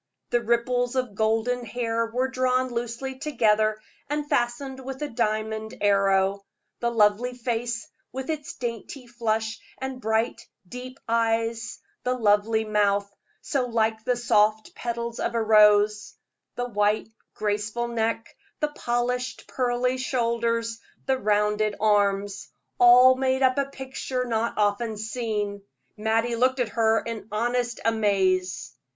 The ripples of golden hair were drawn loosely together, and fastened with a diamond arrow; the lovely face, with its dainty flush and bright, deep eyes; the lovely mouth, so like the soft petals of a rose; the white, graceful neck, the polished, pearly shoulders, the rounded arms all made up a picture not often seen. Mattie looked at her in honest amaze.